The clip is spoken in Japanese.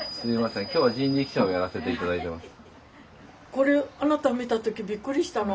これあなた見た時びっくりしたの。